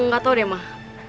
gak tahu deh mak